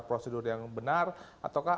prosedur yang benar ataukah